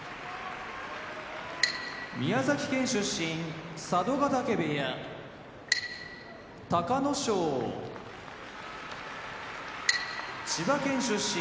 宮崎県出身佐渡ヶ嶽部屋隆の勝千葉県出身